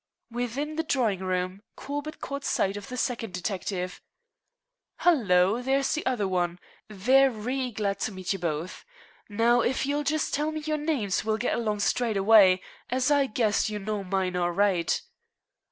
Within the drawing room Corbett caught sight of the second detective. "Hello! Here's the other one. Ve ry glad to meet you both. Now, if you'll just tell me your names we'll get along straight away, as I guess you know mine all right."